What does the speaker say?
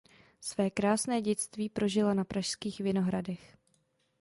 Své krásné dětství prožila na pražských Vinohradech.